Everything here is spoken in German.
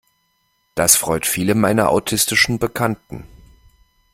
Das freut viele meiner autistischen Bekannten.